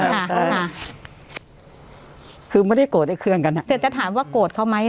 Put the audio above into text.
ค่ะคือไม่ได้โกรธไอ้เครื่องกันอ่ะแต่จะถามว่าโกรธเขาไหม